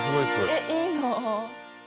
えっいいな。